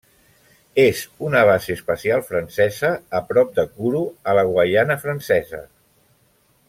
És una base espacial francesa a prop de Kourou a la Guaiana Francesa.